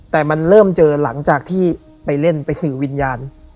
แต่มันเริ่มเจอหลังจากที่ไปเล่นไปคือวิญญาณ